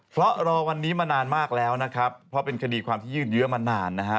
เพราะรอวันนี้มานานมากแล้วนะครับเพราะเป็นคดีความที่ยืดเยอะมานานนะฮะ